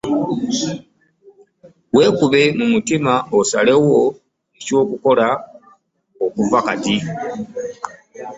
Wekube mu mutima osalewo ekyokukola okuva kati.